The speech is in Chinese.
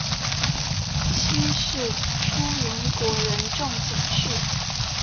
妻是出云国人众井氏。